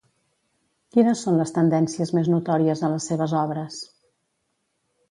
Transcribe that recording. Quines són les tendències més notòries a les seves obres?